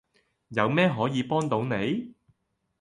有咩可以幫到你?